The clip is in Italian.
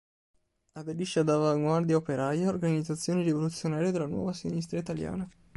Aderisce ad Avanguardia Operaia, organizzazione rivoluzionaria della nuova sinistra italiana.